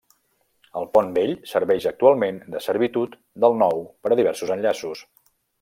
El pont vell serveix actualment de servitud del nou per a diversos enllaços.